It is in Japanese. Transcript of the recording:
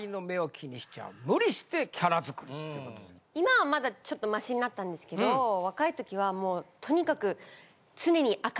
今はまだちょっとマシになったんですけど若いときはもうとにかく。